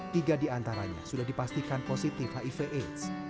tiga di antaranya sudah dipastikan positif hiv aids